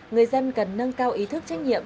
người dân cần nâng cao ý thức trách nhiệm